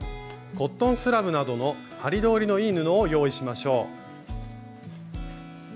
コットンスラブなどの針通りのいい布を用意しましょう。